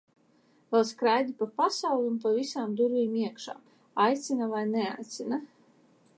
Vēl skraidi pa pasauli un pa visām durvīm iekšā, aicina vai neaicina.